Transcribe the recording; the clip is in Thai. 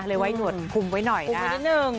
จะไว้หนวดคุมไว้หน่อยนะคุมไว้นิดนึง